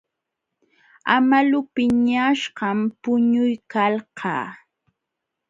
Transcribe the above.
Amalu piñaśhqam puñuykalqa.